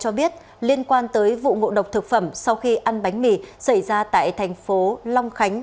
cho biết liên quan tới vụ ngộ độc thực phẩm sau khi ăn bánh mì xảy ra tại thành phố long khánh